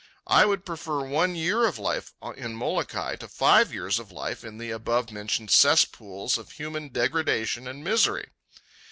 I would prefer one year of life in Molokai to five years of life in the above mentioned cesspools of human degradation and misery.